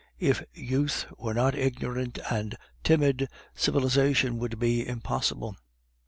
If youth were not ignorant and timid, civilization would be impossible.